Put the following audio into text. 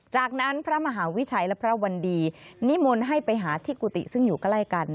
จากนั้นพระมหาวิชัยและพระวันดีนิมนต์ให้ไปหาที่กุฏิซึ่งอยู่ใกล้กัน